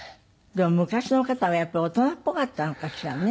でも昔の方はやっぱり大人っぽかったのかしらね。